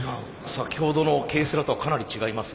先ほどのＫセラとはかなり違いますね。